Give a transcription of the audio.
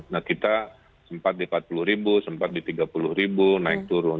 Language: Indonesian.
nah kita sempat di empat puluh ribu sempat di tiga puluh ribu naik turun